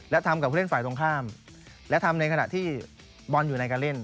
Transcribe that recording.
และทำกับผู้เล่นฝ่ายตรงข้ามและทำในขณะที่บอลอยู่ในการเล่น